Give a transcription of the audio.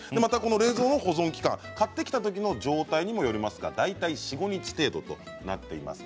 冷蔵の保存期間は買ってきた時の状態にもよりますが大体４、５日程度となっています。